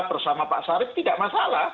bersama pak sarip tidak masalah